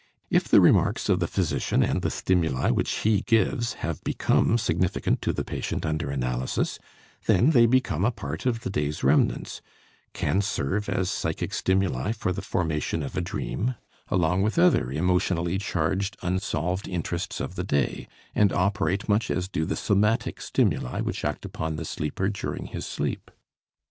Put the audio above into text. If the remarks of the physician and the stimuli which he gives have become significant to the patient under analysis, then they become a part of the day's remnants, can serve as psychic stimuli for the formation of a dream along with other, emotionally charged, unsolved interests of the day, and operate much as do the somatic stimuli which act upon the sleeper during his sleep.